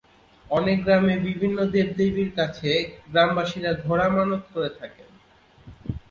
অনেক গ্রামে বিভিন্ন দেবদেবীর কাছে গ্রামবাসীরা ঘোড়া মানত করে থাকেন।